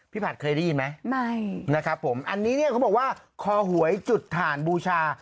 ผัดเคยได้ยินไหมไม่นะครับผมอันนี้เนี่ยเขาบอกว่าคอหวยจุดถ่านบูชา